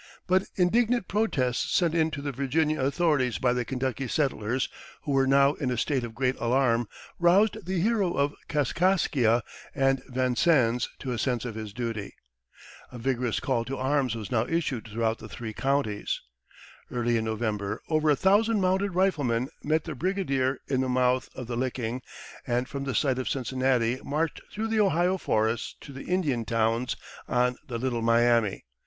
But indignant protests sent in to the Virginia authorities by the Kentucky settlers, who were now in a state of great alarm, roused the hero of Kaskaskia and Vincennes to a sense of his duty. A vigorous call to arms was now issued throughout the three counties. Early in November over a thousand mounted riflemen met their brigadier at the mouth of the Licking, and from the site of Cincinnati marched through the Ohio forests to the Indian towns on the Little Miami.